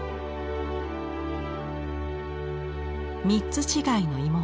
３つ違いの妹。